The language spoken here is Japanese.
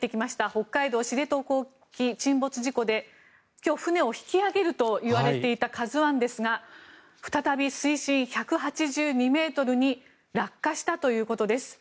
北海道・知床沖の沈没事故で今日、船を引き揚げるといわれていた「ＫＡＺＵ１」ですが再び水深１８２ｍに落下したということです。